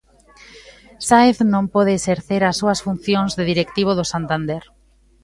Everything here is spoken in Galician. Sáenz non pode exercer as súas funcións de directivo do Santander.